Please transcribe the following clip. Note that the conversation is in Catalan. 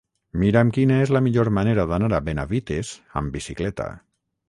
Mira'm quina és la millor manera d'anar a Benavites amb bicicleta.